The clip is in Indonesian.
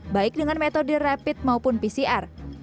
baik dengan metode rapid maupun pcr